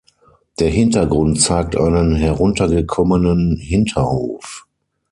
Der Hintergrund zeigt einen heruntergekommenen Hinterhof.